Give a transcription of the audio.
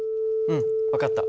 うん分かった。